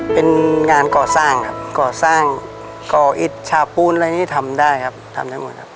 เป็นงานก่อสร้างครับก่อสร้างก่ออิดชาปูนอะไรนี่ทำได้ครับทำได้หมดครับ